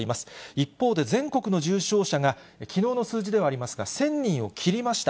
一方で、全国の重症者がきのうの数字ではありますが、１０００人を切りました。